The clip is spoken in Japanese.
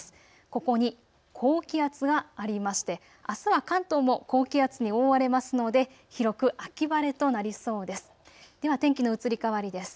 ここに高気圧がありましてあすは関東も高気圧に覆われますので広く秋晴れとなりそうです。